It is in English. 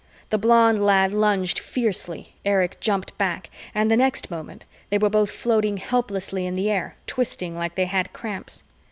The blond lad lunged fiercely, Erich jumped back, and the next moment they were both floating helplessly in the air, twisting like they had cramps.